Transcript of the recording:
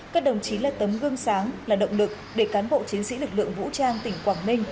các đồng chí là tấm gương sáng là động lực để cán bộ chiến sĩ lực lượng vũ trang tỉnh quảng ninh